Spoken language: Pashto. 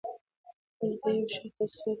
ولې په يوه شرط، ترڅو پورې